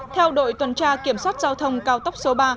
theo đội tuần tra kiểm soát giao thông cao tốc số ba